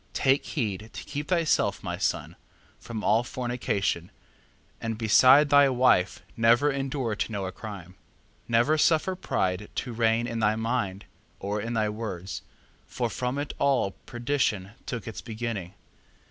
4:13. Take heed to keep thyself, my son, from all fornication, and beside thy wife never endure to know a crime. 4:14. Never suffer pride to reign in thy mind, or in thy words: for from it all perdition took its beginning.